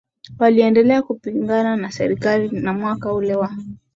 Waliendelea kupingana na serikali na mwaka ule wa